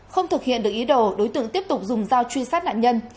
không thực hiện được ý đồ đối tượng tiếp tục dùng dao truy sát nạn nhân